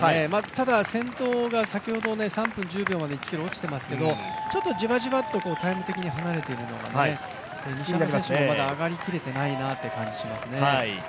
ただ先頭が先ほど３分１０秒まで１ｋｍ落ちていますけどじわじわっとタイム的に離れているのが西山選手もまだ上がりきれていないなっていう感じがしますね。